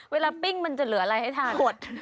เวลาปิ่งมันจะเหลืออะไรให้ทาน